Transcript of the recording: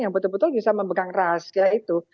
yang betul betul bisa memegang rahasia itu